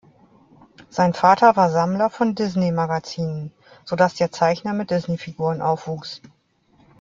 Sein Vater war Sammler von Disney-Magazinen, sodass der Zeichner mit Disneyfiguren aufwuchs.